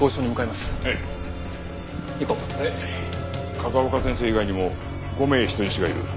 風丘先生以外にも５名人質がいる。